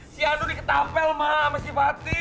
si anu diketapel mak sama si pati